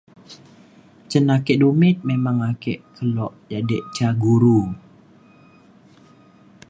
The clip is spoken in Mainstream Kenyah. cin ake dumit memang ake kelo jadek ca guru